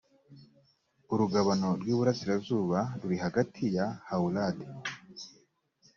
urugabano rw iburasirazuba ruri hagati ya hawurad